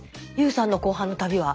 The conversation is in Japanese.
ＹＯＵさんの後半の旅は？